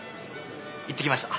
行ってきました。